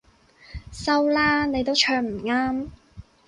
收啦，你都唱唔啱